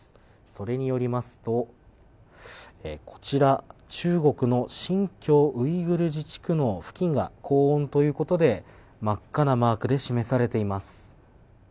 それによりますと中国の新疆ウイグル自治区の付近が高温ということで真っ赤なマークで示されています。